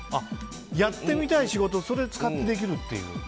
やってみたい仕事それを使ってできるという。